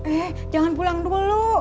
eh jangan pulang dulu